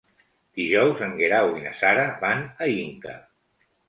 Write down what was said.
Dijous en Guerau i na Sara van a Inca.